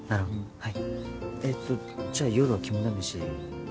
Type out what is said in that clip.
はい。